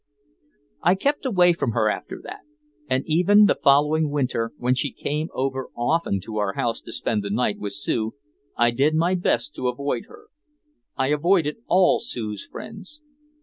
I kept away from her after that. And even the following winter, when she came over often to our house to spend the night with Sue, I did my best to avoid her. I avoided all Sue's friends.